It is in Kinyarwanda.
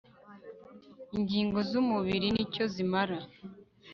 ingingo z umubiri n icyo zimara